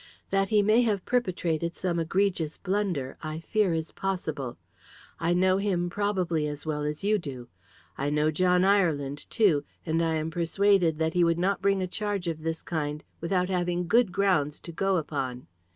That he may have perpetrated some egregious blunder, I fear is possible. I know him probably as well as you do. I know John Ireland too, and I am persuaded that he would not bring a charge of this kind without having good grounds to go upon.